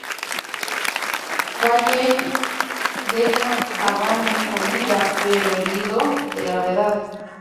Valley deja a Bane con vida, pero herido de gravedad.